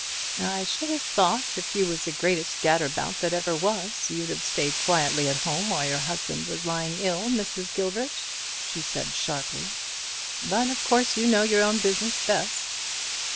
"I should have thought if you was the greatest gadderabout that ever was, you'd have stayed quietly at home while your husband was lying ill, Mrs. Gilbert," she said, sharply; "but of course you know your own business best."